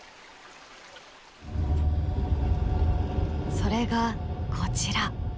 それがこちら。